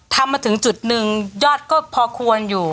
ทำมาถึงจุดหนึ่งยอดก็พอควรอยู่